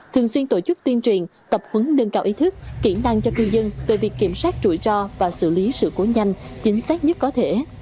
thường xuyên tổ chức tuyên truyền tập huấn nâng cao ý thức kỹ năng cho cư dân về việc kiểm soát rủi ro và xử lý sự cố nhanh chính xác nhất có thể